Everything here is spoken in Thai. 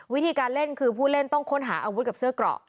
วิธีการเล่นคือผู้เล่นต้องค้นหาอาวุธกับเสื้อเกราะ